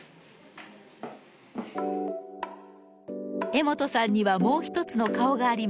江本さんにはもう一つの顔があります。